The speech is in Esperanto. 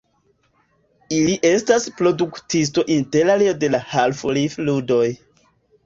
Ili estas produktisto interalie de la Half-Life-ludoj.